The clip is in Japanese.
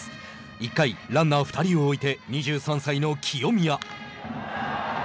１回、ランナー２人を置いて２３歳の清宮。